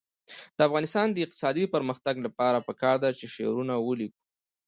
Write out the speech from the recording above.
د افغانستان د اقتصادي پرمختګ لپاره پکار ده چې شعرونه ولیکو.